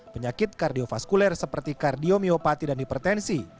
penyakit kardiofaskuler seperti kardiomiopati dan hipertensi